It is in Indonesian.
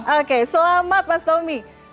oke selamat mas tommy